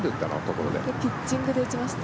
これはピッチングで打ちました。